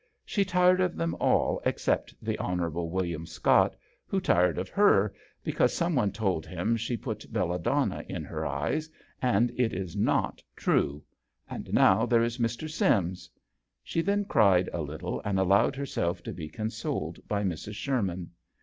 She tired of them all except the Hon. William Scott, who tired of her because some one told him she put belladonna in her eyes and it is not true ; and now there is Mr. Sims!" She then cried a little, and allowed herself to be consoled by Mrs. Sherman.